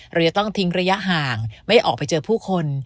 เราจะต้องทิ้งระยะห่างไม่ออกไปเจอผู้คน